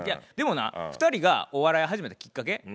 でもな２人がお笑い始めたきっかけ